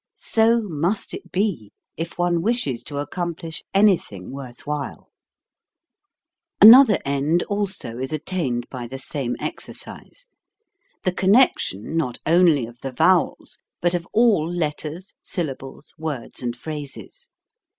So must it be, if one wishes to accomplish anything worth while. Another end also is attained by the same exercise, the connection, not only of the vowels, but of all letters, syllables, words, and phrases.